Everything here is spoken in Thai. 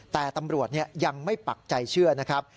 แต่ตำรวจยังไม่ปักใจเชื่อนะครับ